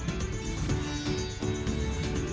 cnn indonesia newscast segera kembali